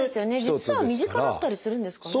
実は身近だったりするんですかね。